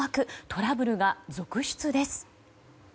トラブルが続出です。